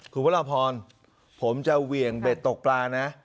คุณพระราพรผมจะเหวี่ยงเบ็ดตกปลานะ